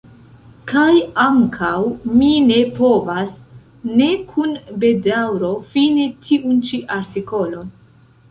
Kaj ankaŭ mi ne povas ne kun bedaŭro fini tiun ĉi artikolon.